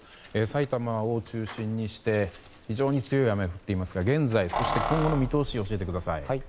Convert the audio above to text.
埼玉を中心にして非常に強い雨が降っていますが現在、そして今後の見通しを教えてください。